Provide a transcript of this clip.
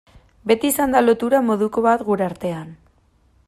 Beti izan da lotura moduko bat gure artean.